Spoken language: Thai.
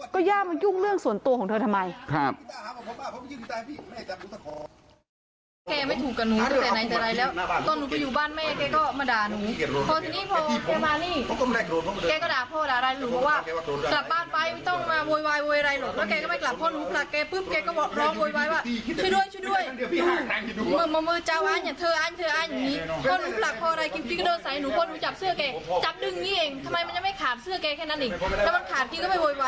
ก็ย่ามายุ่งเรื่องส่วนตัวของเธอทำไม